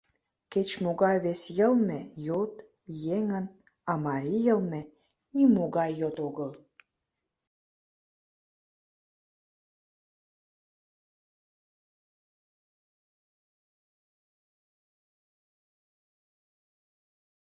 — Кеч-могай вес йылме — йот, еҥын, а марий йылме — нимогай йот огыл.